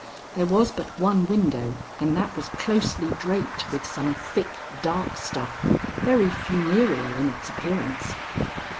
There was but one window, and that was closely draped with some thick, dark stuff, very funereal in its appearance.